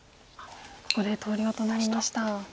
ここで投了となりました。